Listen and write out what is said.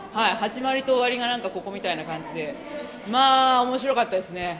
始まりと終わりがなんかここみたいな感じで面白かったですね。